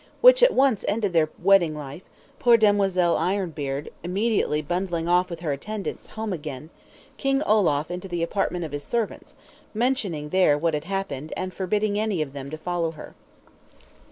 Which at once ended their wedded life; poor Demoiselle Ironbeard immediately bundling off with her attendants home again; King Olaf into the apartment of his servants, mentioning there what had happened, and forbidding any of them to follow her.